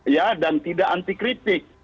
ya dan tidak anti kritik